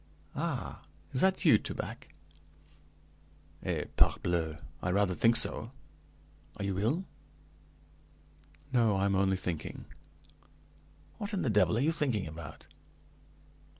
"Ah, is that you, Toubac?" "Eh, parbleu! I rather think so; are you ill?" "No, I am only thinking." "What in the devil are you thinking about?"